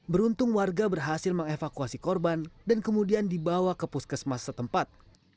beruntung warga berhasil mengevakuasi korban dan kemudian dibawa ke puskesmas setempat